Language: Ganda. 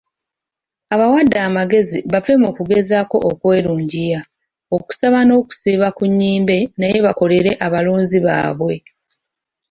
Abawadde amagezi bave mu kugezaako okwerungiya, okusaba n'okusiiba ku nnyimbe naye bakolere abalonzi baabwe.